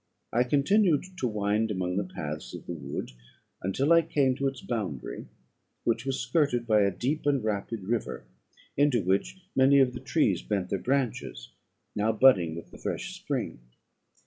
"I continued to wind among the paths of the wood, until I came to its boundary, which was skirted by a deep and rapid river, into which many of the trees bent their branches, now budding with the fresh spring.